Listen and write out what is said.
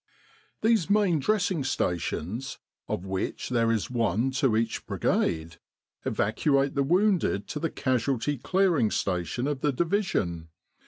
These Main Dressing Stations, of which there is one to each Brigade, evacuate the wounded to the 75 With the R.A.M.C. in Egypt Casualty Clearing Station of the Division.